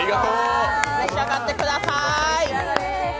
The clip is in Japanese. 召し上がってください。